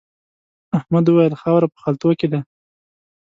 احمد وويل: خاوره په خلتو کې ده.